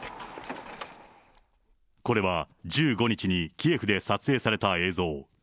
これは１５日にキエフで撮影された映像。